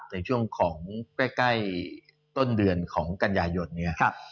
ในช่วงของใกล้ต้นเดือนของกันยายนเนี่ย